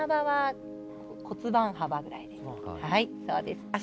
はいそうです。